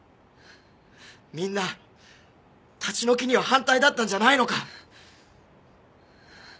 みんな立ち退きには反対だったんじゃないのか？